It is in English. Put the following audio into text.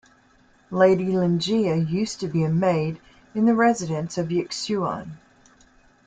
Lady Lingiya used to be a maid in the residence of Yixuan.